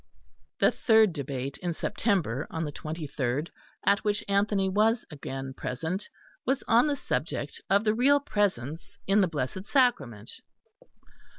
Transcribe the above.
The third debate in September (on the twenty third), at which Anthony was again present, was on the subject of the Real Presence in the Blessed Sacrament.